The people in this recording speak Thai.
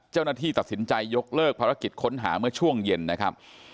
เจ้าหน้าที่ตัดสินใจยกเลิกภารกิจค้นหาเมื่อช่วงเย็นนะครับ